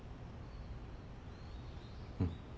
うん。